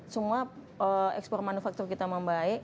semua ekspor manufaktur kita membaik